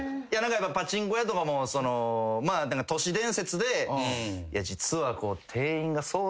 やっぱパチンコ屋とかも都市伝説で実は。